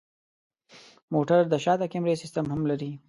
موټر د شاته کمرې سیستم هم لري.